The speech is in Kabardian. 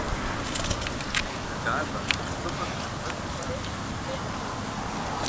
Быдагъэ, лӏыгъэ зыхэдгъэлъмэ, дытекӏуэнущ.